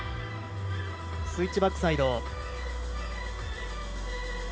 スイッチバックサイド。